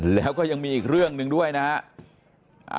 แล้วก็ยังมีอีกเรื่องหนึ่งด้วยนะฮะ